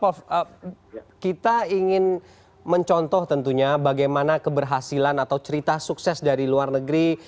prof kita ingin mencontoh tentunya bagaimana keberhasilan atau cerita sukses dari luar negeri